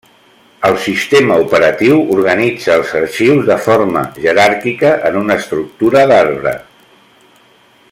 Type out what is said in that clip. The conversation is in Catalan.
El sistema operatiu organitza els arxius de forma jeràrquica en una estructura d'arbre.